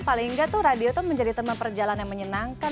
paling nggak tuh radio tuh menjadi teman perjalanan yang menyenangkan